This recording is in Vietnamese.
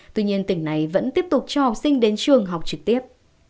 tuy nhiên tỉnh này vẫn tiếp tục cho học sinh đến trường học trực tiếp